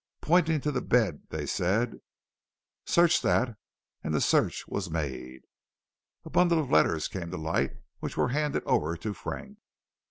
Pointing to the bed, they said: "Search that," and the search was made. A bundle of letters came to light and were handed over to Frank.